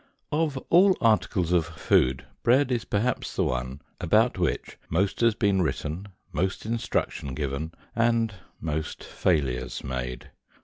OF all articles of food, bread is perhaps the one about which most has been written, most instruction given, and most failures made.